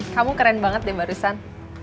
kamu keren banget deh barusan